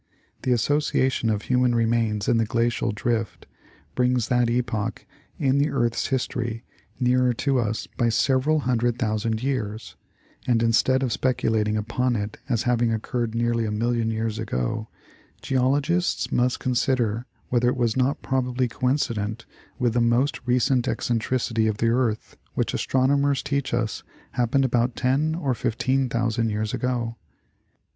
The association of human remains in the Glacial drift brings that epoch in the earth's history nearer to us by several hundred thousand years, and instead of speculating upon it as having occurred nearly a million years ago, geologists must consider whether it was not probably coincident with the most recent eccentricity of the earth which astronomers teach us happened about ten or fifteen thousand years ago.